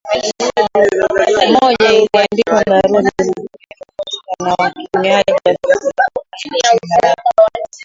Moja iliandikwa barua zilizoletwa posta na watumiaji wakaziweka kwenye boksi la barua